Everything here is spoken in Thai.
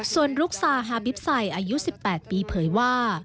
ส่วนลุกซาฮาบิฟไซด์อายุ๑๘ปีเผยว่า